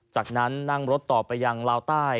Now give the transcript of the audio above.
จากนั้นนั่งรถต่อไปยังลาวใต้